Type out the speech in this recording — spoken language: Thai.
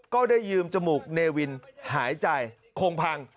ก็ได้ยืมจมูกเนวินหายใจคงพัง